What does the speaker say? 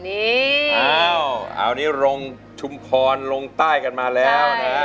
เอาอันนี้ลงชุมพรลงใต้กันมาแล้วนะ